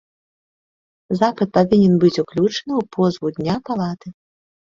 Запыт павінен быць уключаны ў позву дня палаты.